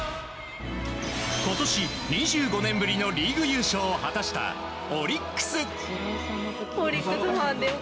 今年２５年ぶりのリーグ優勝を果たしたオリックス。